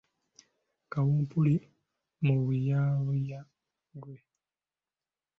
Kawumpuli mubuyabuya ggwe!